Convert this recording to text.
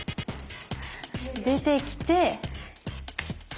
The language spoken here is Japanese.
出てきて。